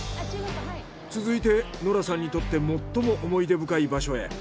続いてノラさんにとってもっとも思い出深い場所へ。